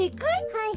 はい。